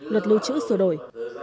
luật lưu trữ sửa đổi